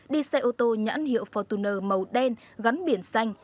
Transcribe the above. đi xe ô tô nhãn hiệu fortuner màu đen gắn biển xanh